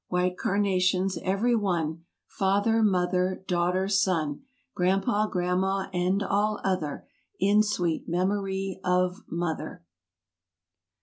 White carnations—every one— 212 Father, mother, daughter, son. Grandpa, grandma and all other In sweet memory of "Mother!"